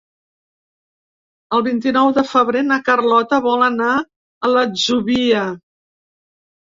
El vint-i-nou de febrer na Carlota vol anar a l'Atzúbia.